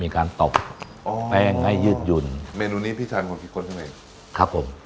การตบแป้งให้ยืดหยุ่นอ๋อเมนูนี้พี่ทานคนพี่คนใช่ไหมครับผม